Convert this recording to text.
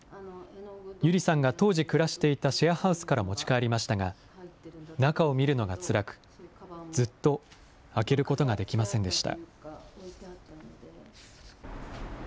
友梨さんが当時暮らしていたシェアハウスから持ち帰りましたが、中を見るのがつらく、ずっと開けることができませんでした。